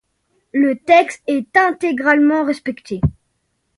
Le texte est intégralement respecté.